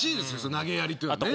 投げやりっていうのはね